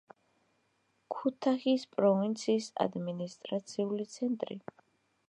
ქუთაჰიის პროვინციის ადმინისტრაციული ცენტრი.